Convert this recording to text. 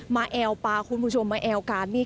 แอวปลาคุณผู้ชมมาแอวกานี่